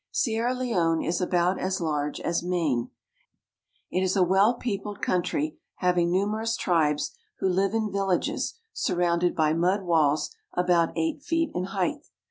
Sierra Leone is about as large as Maine. It is a well peopled country, having numerous tribes 1 A Freetown village. who live in villages surrounded by mud walls about eight feet height.